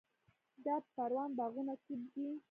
د پروان باغونه توت دي